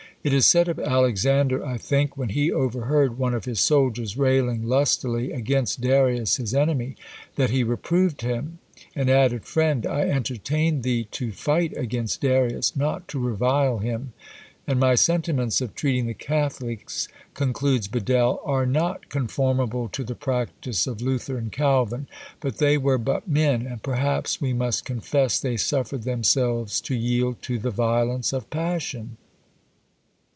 It is said of Alexander, I think, when he overheard one of his soldiers railing lustily against Darius his enemy, that he reproved him, and added, "Friend, I entertain thee to fight against Darius, not to revile him;" and my sentiments of treating the Catholics," concludes Bedell, "are not conformable to the practice of Luther and Calvin; but they were but men, and perhaps we must confess they suffered themselves to yield to the violence of passion."